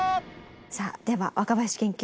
さあでは若林研究員